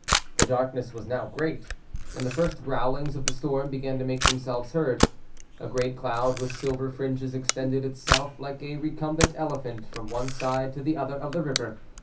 The darkness was now great, and the first growlings of the storm began to make themselves heard; a great cloud with silver fringes extended itself like a recumbent elephant from one side to the other of the river.